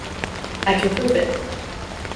I can prove it.